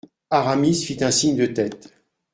Aramis fit un signe de tête.